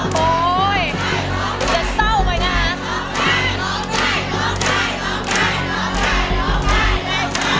โถ่ผมจะเศร้าไปนะ